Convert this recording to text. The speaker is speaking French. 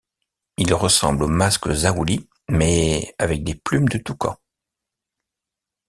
Il ressemble au masque zaouli, mais avec des plumes de toucan.